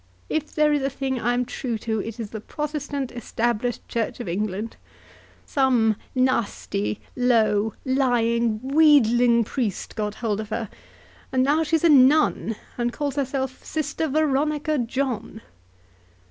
If there is a thing I'm true to, it is the Protestant Established Church of England. Some nasty, low, lying, wheedling priest got hold of her, and now she's a nun, and calls herself Sister Veronica John!"